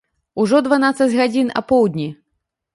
Ужо дванаццаць гадзін апоўдні.